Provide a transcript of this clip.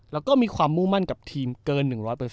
แล้วก็มีความมุ่งมั่นกับทีมเกิน๑๐๐